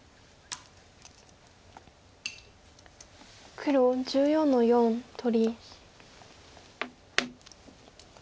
黒１４の四取り。